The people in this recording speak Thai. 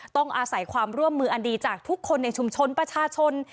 ต้องอาศัยความร่วมมืออันดีจากทุกคนในชุมชนประชาชน